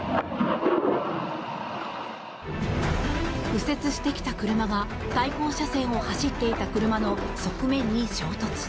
右折してきた車が対向車線を走っていた車の側面に衝突。